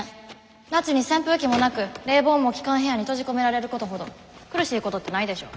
夏に扇風機もなく冷房も効かん部屋に閉じ込められることほど苦しいことってないでしょ。